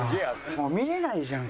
もう見れないじゃん！